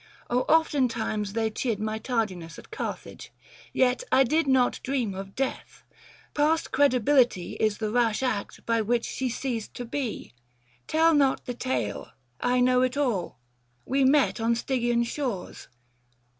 Oh oftentimes they chid My tardiness at Carthage : yet I did Not dream of death ; past credibility Is the rash act by which she ceased to be. Tell not the tale, I know it all, we met 665 On Stygian shores.